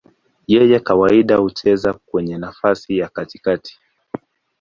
Yeye kawaida hucheza kwenye nafasi ya katikati.